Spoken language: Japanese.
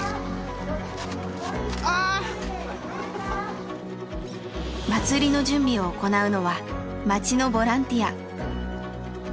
あ！祭りの準備を行うのは町のボランティア。